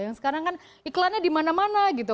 yang sekarang kan iklannya di mana mana gitu